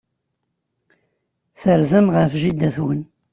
Terzam ɣef jida-twen.